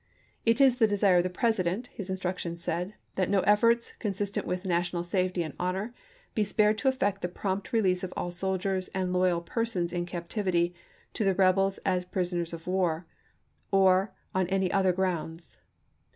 " It is the desire of the President," his instructions said, "that no efforts, consistent with national safety and honor, be spared to effect the prompt release of all soldiers and loyal persons in captivity to the rebels as prisoners of war, or on any other grounds."